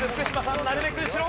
なるべく後ろ！